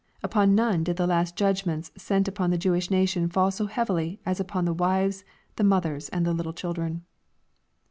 Upon none did the last judg ments sent upon the Jewish nation fall so heavily as upon the wives, the mothers, and the little children.